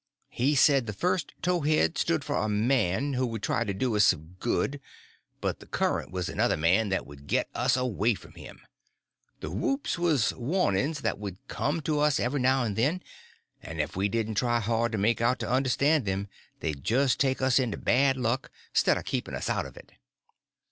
He said the first towhead stood for a man that would try to do us some good, but the current was another man that would get us away from him. The whoops was warnings that would come to us every now and then, and if we didn't try hard to make out to understand them they'd just take us into bad luck, 'stead of keeping us out of it.